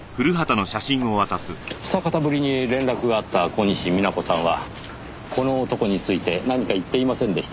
久方ぶりに連絡があった小西皆子さんはこの男について何か言っていませんでしたか？